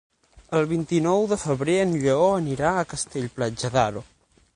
El vint-i-nou de febrer en Lleó anirà a Castell-Platja d'Aro.